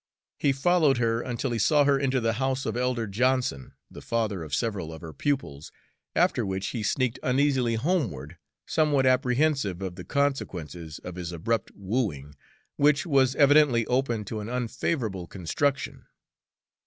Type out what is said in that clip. He followed her until he saw her enter the house of Elder Johnson, the father of several of her pupils, after which he sneaked uneasily homeward, somewhat apprehensive of the consequences of his abrupt wooing, which was evidently open to an unfavorable construction.